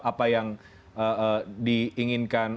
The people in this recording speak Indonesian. apa yang diinginkan